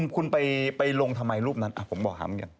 คุณไปลงทำไมรูปนั้นผมบอกหาเหมือนกัน